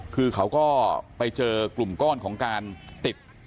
คือเขาก็ไปเจอกลุ่มก้อนของการติด